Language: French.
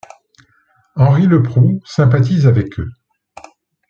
Henri Leproux sympathise avec eux...